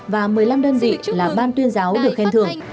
và một mươi năm đơn vị là ban tuyên giáo được khen thưởng